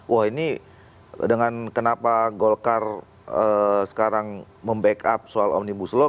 wah ini dengan kenapa golkar sekarang membackup soal omnibus law